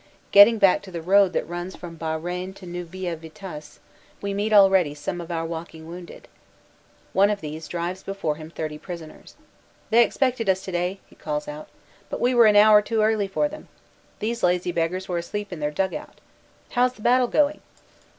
Getting back to the road that runs from Beaurains to Neuville Vitasse, we meet already some of our walking wounded. One of these drives before him thirty prisoners. "They expected us today," he calls out, "but WAYSIDE SCENES 121 we were an hour too early for them. These lazy beggars were asleep in their dug out. How is the battle going?